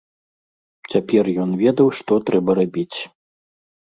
Цяпер ён ведаў, што трэба рабіць.